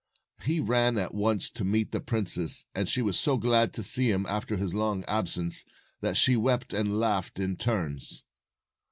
He ran at once to meet the princess, and she was so glad to see him after his long absence, that she wept and laughed in turns.